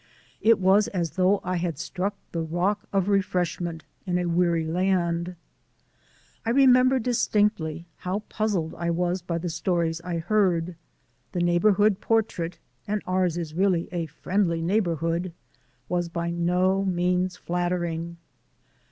It was as though I had struck the rock of refreshment in a weary land. I remember distinctly how puzzled was by the stories I heard. The neighbourhood portrait and ours is really a friendly neighbourhood was by no means flattering.